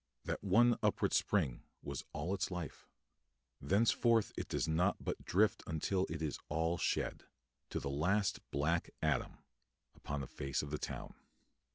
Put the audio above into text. That one upward spring was all its life. Thenceforth it does but drift until it is all shed, to the last black atom, upon the face of the town.